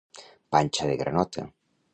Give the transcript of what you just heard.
Panxa de granota.